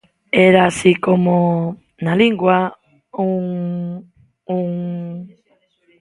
Era así como, na lingua... un, un...